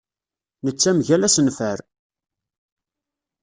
Netta mgal asenfar.